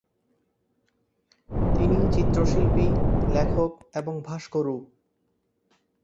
তিনি চিত্রশিল্পী, লেখক এবং ভাস্করও।